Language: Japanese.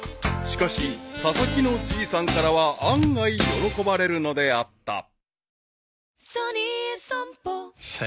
［しかし佐々木のじいさんからは案外喜ばれるのであった］